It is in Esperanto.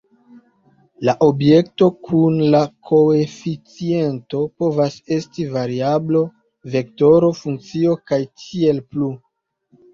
La objekto kun la koeficiento povas esti variablo, vektoro, funkcio, kaj tiel plu.